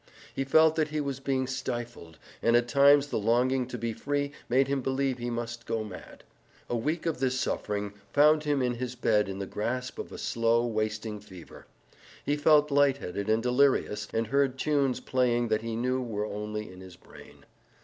He felt that he was being stifled, and at times the longing to be free made him believe he must go mad. A week of this suffering found him in his bed in the grasp of a slow, wasting fever. He felt light headed and delirious, and heard tunes playing that he knew were only in his brain.